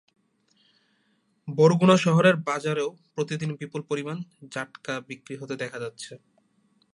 বরগুনা শহরের বাজারেও প্রতিদিন বিপুল পরিমাণ জাটকা বিক্রি হতে দেখা যাচ্ছে।